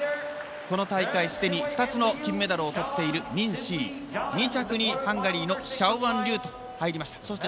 この大会すでに２つの金メダルをとっているニン・シイ２着でハンガリーのシャオアン・リューが入りました。